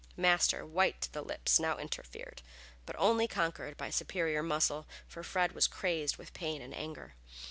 Master, white to the lips, now interfered, but only conquered by superior muscle, for Fred was crazed with pain and anger.